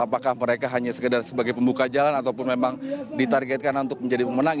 apakah mereka hanya sekedar sebagai pembuka jalan ataupun memang ditargetkan untuk menjadi pemenang